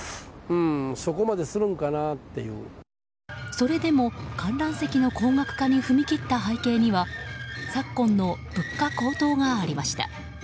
それでも、観覧席の高額化に踏み切った背景には昨今の物価高騰がありました。